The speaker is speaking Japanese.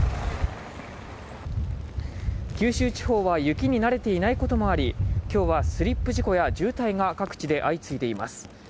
九州地方は雪に慣れていないこともあり、今日はスリップ事故や渋滞が各地で相次いでいます。